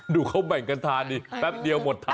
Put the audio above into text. ดูเขาแบ่งกันทานดีแป๊บเดียวหมดทาน